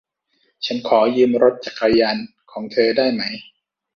ฉันขอยืมรถจักรยานของเธอได้ไหม